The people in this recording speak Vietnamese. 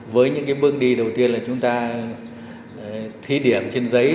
với những bước đi đầu tiên là chúng ta thí điểm trên giấy